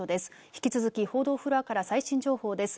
引き続き報道フロアから最新情報です。